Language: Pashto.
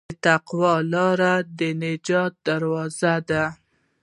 د تقوی لاره د نجات دروازه ده.